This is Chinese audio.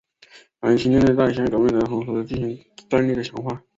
南清舰队在辛亥革命的同时进行战力的强化。